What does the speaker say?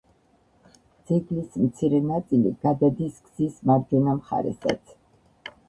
ძეგლის მცირე ნაწილი გადადის გზის მარჯვენა მხარესაც.